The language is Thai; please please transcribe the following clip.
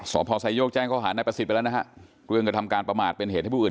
สพไซโยกแจ้งข้อหานายประสิทธิ์ไปแล้วนะฮะเรื่องกระทำการประมาทเป็นเหตุให้ผู้อื่น